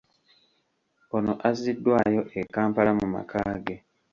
Ono azziddwayo e Kampala mu maka ge.